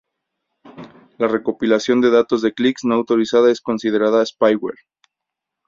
La recopilación de datos de clics no autorizada es considerada spyware.